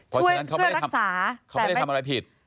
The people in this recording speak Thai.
ช่วยรักษาเขาไม่ได้ทำอะไรผิด